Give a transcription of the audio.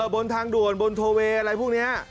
บนทางด่วนบนโทเวย์อะไรพวกนี้